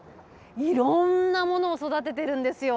いろんなものを育ててるんですよ。